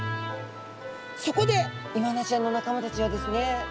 そこでイワナちゃんの仲間たちはですね